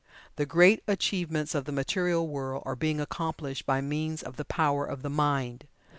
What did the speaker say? The great achievements of the material world are being accomplished by means of the Power of the Mind.